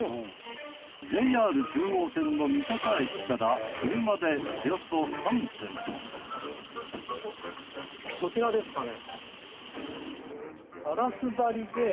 ＪＲ中央線の三鷹駅から車でおよそ３分こちらですかね？